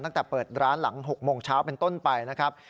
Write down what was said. ตั้งแต่เปิดร้านหลัง๖โมงเช้าเป็นต้นไปนะครับ